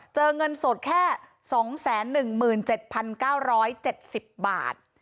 เงินสดแค่๒๑๗๙๗๐บาท